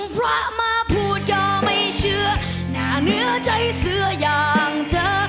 พระมาพูดก็ไม่เชื่อหน้าเนื้อใจเสื้ออย่างเธอ